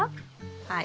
はい。